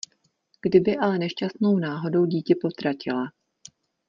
Kdyby ale nešťastnou náhodou dítě potratila...